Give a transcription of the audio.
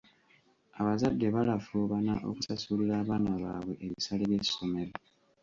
Abazadde balafuubana okusasulira abaana baabwe ebisale by'essomero.